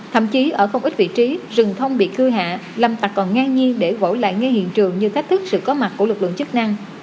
thậm chí ở không ít vị trí rừng thông bị cưa hạ lâm tạc còn ngang nhiên để gội lại ngay hiện trường như thách thức sự có mặt của lực lượng chức năng